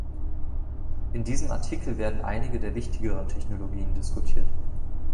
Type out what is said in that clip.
In diesem Artikel werden einige der wichtigeren Technologien diskutiert.